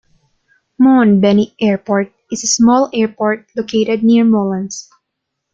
Montbeugny Airport is a small airport located near Moulins.